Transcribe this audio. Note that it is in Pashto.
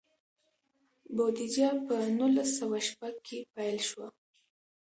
بودیجه په نولس سوه شپږ کې پیل شوه.